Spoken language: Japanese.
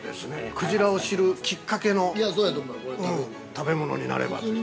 ◆くじらを知るきっかけの食べ物になればという。